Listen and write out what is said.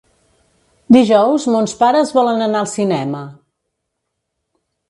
Dijous mons pares volen anar al cinema.